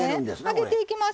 揚げていきます。